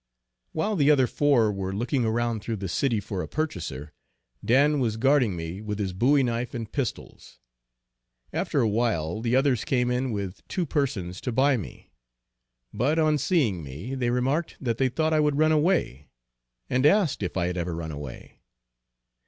While the other four were looking around through the city for a purchaser, Dan was guarding me with his bowie knife and pistols. After a while the others came in with two persons to buy me, but on seeing me they remarked that they thought I would run away, and asked me if I had ever run away.